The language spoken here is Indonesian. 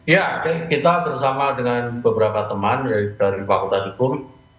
ya kita bersama dengan beberapa teman dari fakultas hukum